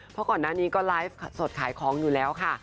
เพราะก่อนหน้านี้ก็ไลฟ์สดขายของอยู่แล้วค่ะ